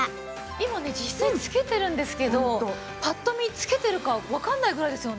今ね実際着けてるんですけどぱっと見着けてるかわかんないぐらいですよね。